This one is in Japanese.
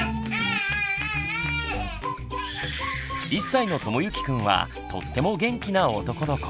１歳のともゆきくんはとっても元気な男の子。